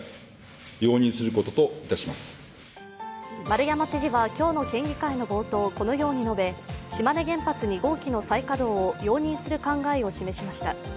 丸山知事は、今日の県議会の冒頭このように述べ、島根原発２号機の再稼働を容認する考えを示しました。